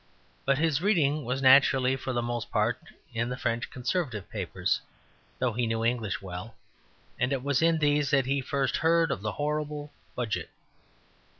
But his reading was naturally for the most part in the French Conservative papers (though he knew English well), and it was in these that he first heard of the horrible Budget.